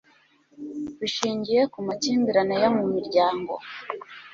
bishingiye ku makimbirane yo mu miryango.